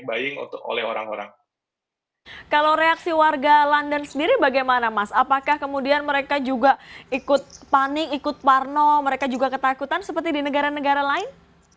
kalau reaksi warga london sendiri bagaimana mas apakah kemudian mereka juga ikut panik ikut parno mereka juga ketakutan seperti di negara negara lain